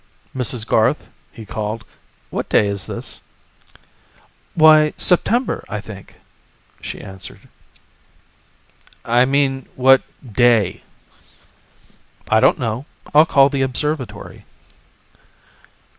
"Mrs. Garth," he called, "what day is this?" "Why, September, I think," she answered. "I mean what day." "I don't know, I'll call the observatory."